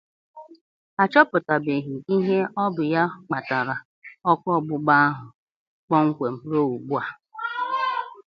a chọpụtàbeghị ihe ọ bụ ya kpatara ọkụ ọgbụgba ahụ kpọnkwem ruo ugbua